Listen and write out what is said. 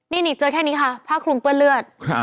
นี่เจอแค่นี้ค่ะผ้าคลุมเปื้อนเลือด